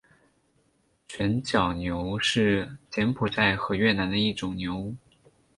旋角牛是柬埔寨及越南的一种牛。